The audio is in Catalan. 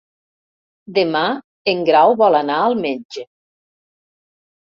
Demà en Grau vol anar al metge.